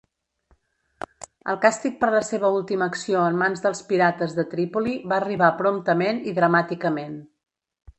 El càstig per la seva última acció en mans dels pirates de Tripoli va arribar promptament i dramàticament.